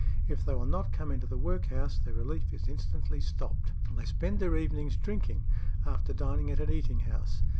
If they will not come into the workhouse, their relief is instantly stopped. "They spend their evenings drinking, after dining at an eating house.